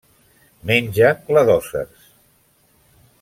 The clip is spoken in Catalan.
Menja cladòcers.